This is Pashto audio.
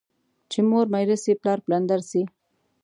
چي مور ميره سي ، پلار پلندر سي.